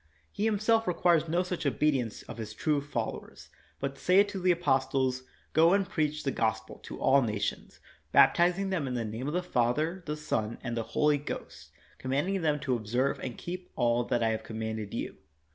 He himself requires no such obedience of his true followers, but saith to the apostles, ''Go and preach the Gospel to all nations, baptizing them in the name of the Father, the Son, and the Holy Ghost, command ing them to observe and keep all that I have com manded you.